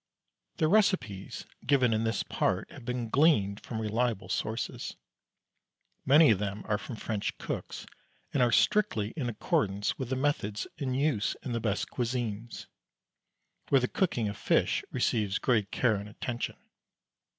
_ The recipes given in this part have been gleaned from reliable sources. Many of them are from French cooks, and are strictly in accordance with the methods in use in the best "cuisines," where the cooking of fish receives great care and attention.